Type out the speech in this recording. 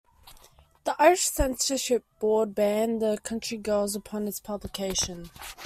The Irish censorship board banned "The Country Girls" upon its publication.